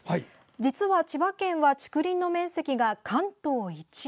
実は千葉県は竹林の面積が関東１位。